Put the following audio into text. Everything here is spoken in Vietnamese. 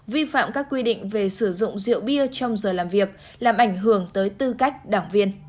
vi phạm các quy định về sử dụng rượu bia trong giờ làm việc làm ảnh hưởng tới tư cách đảng viên